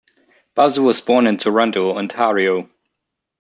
Bauza was born in Toronto, Ontario.